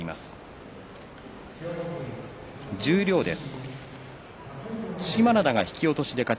十両です。